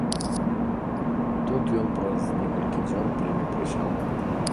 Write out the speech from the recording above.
Тут ён праз некалькі дзён прыме прысягу.